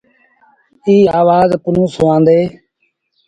ايٚ آوآز پنهون سُوآندي۔